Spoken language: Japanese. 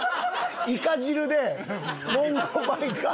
イカ汁でモンゴバイカー。